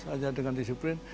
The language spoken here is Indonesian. hanya dengan disiplin